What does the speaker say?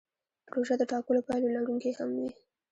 پروژه د ټاکلو پایلو لرونکې هم وي.